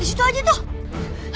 di situ aja tuh